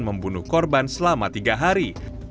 membunuh korban selama tiga hari